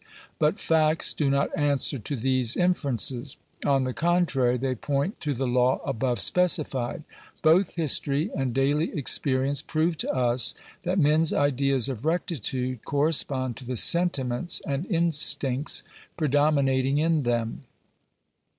But facts do not answer to these inferences. On the contrary, they point to the law above specified. Both history and daily experience prove to us that men's ideas of rectitude correspond to the sentiments and instincts predomi nating in them (pp.